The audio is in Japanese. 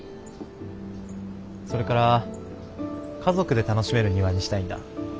それから家族で楽しめる庭にしたいんだ。